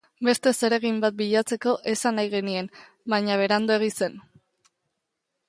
Beste zereginen bat bilatzeko esan nahi genien, baina Beranduegi zen.